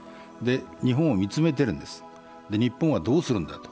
日本を見つめているんです、日本はどうするんだと。